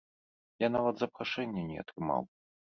Я нават запрашэння не атрымаў!